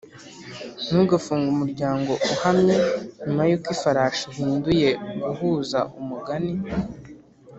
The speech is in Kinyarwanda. ntugafunge umuryango uhamye nyuma yuko ifarashi ihinduye guhuza umugani